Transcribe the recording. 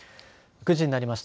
９時になりました。